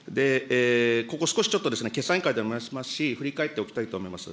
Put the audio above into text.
ここ少しちょっと決算委員会でもお話ありますし、振り返っておきたいと思います。